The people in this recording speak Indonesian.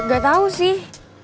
cuma gak tau sih